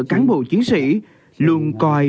cán bộ chiến sĩ luôn coi